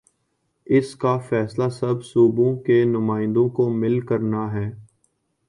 اس کا فیصلہ سب صوبوں کے نمائندوں کو مل کر نا ہے۔